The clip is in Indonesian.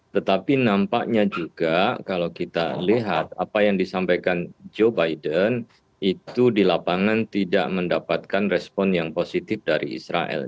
tetapi nampaknya juga kalau kita lihat apa yang disampaikan joe biden itu di lapangan tidak mendapatkan respon yang positif dari israel